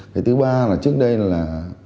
cái thứ ba là trước đây là